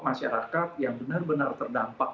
masyarakat yang benar benar terdampak